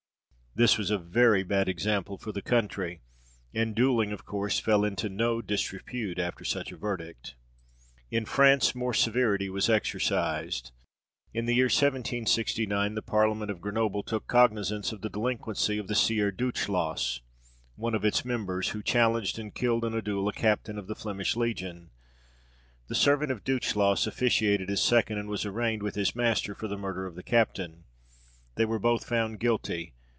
This was a very bad example for the country, and duelling of course fell into no disrepute after such a verdict. In France more severity was exercised. In the year 1769, the Parliament of Grenoble took cognisance of the delinquency of the Sieur Duchelas, one of its members, who challenged and killed in a duel a captain of the Flemish legion. The servant of Duchelas officiated as second, and was arraigned with his master for the murder of the captain. They were both found guilty.